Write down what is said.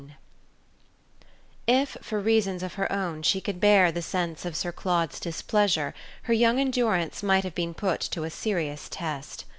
XVII If for reasons of her own she could bear the sense of Sir Claude's displeasure her young endurance might have been put to a serious test.